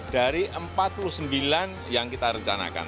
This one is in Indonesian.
dari empat puluh sembilan yang kita rencanakan